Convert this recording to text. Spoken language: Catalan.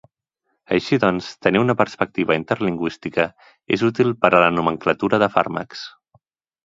Així doncs, tenir una perspectiva interlingüística és útil per a la nomenclatura de fàrmacs.